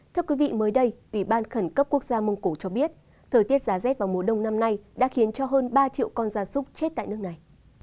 thưa quý vị mới đây ủy ban khẩn cấp quốc gia mông cổ cho biết thời tiết giá rét vào mùa đông năm nay đã khiến cho hơn ba triệu con gia súc chết tại nước này